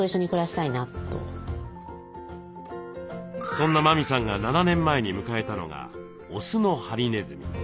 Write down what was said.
そんな麻美さんが７年前に迎えたのがオスのハリネズミ。